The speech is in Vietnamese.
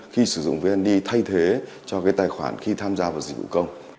khi sử dụng vnd thay thế cho cái tài khoản khi tham gia vào dịch vụ công